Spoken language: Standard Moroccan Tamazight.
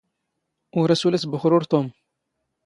ⵓⵔ ⴰⵔ ⵙⵓⵍ ⵉⵙⴱⵓⵅⵔⵓⵔ ⵜⵓⵎ.